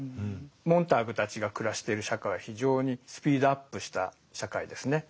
モンターグたちが暮らしてる社会は非常にスピードアップした社会ですね。